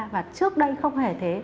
và trước đây không hề thế